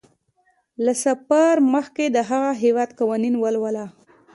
له سفر مخکې د هغه هیواد قوانین ولوله.